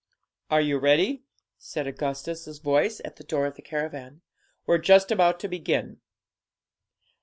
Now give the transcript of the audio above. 'Are you ready?' said Augustus' voice, at the door of the caravan; 'we're just going to begin.'